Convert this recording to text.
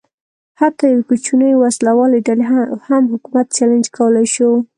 حتی یوې کوچنۍ وسله والې ډلې هم حکومت چلنج کولای شو.